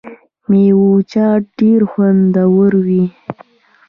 د میوو چاټ ډیر خوندور وي.